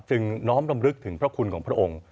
น้อมรำลึกถึงพระคุณของพระองค์